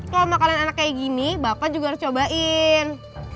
kalau makan anak kayak gini bapak juga harus cobain